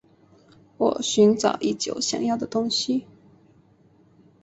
我寻找已久想要的东西